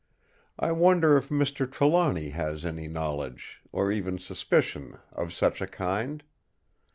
I wonder if Mr. Trelawny has any knowledge, or even suspicion, of such a kind?